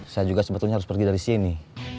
saya juga sebetulnya harus pergi dari sini